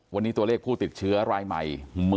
วันนี้ตัวเลขผู้ติดเชื้อรายใหม่